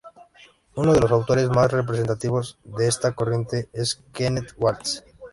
Uno de los autores más representativos de esta corriente es Kenneth Waltz.